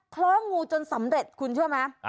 คล้องงูจนสำเร็จคุณเชื่อไหม